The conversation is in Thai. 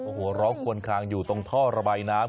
โอ้โหร้องควนคลางอยู่ตรงท่อระบายน้ำ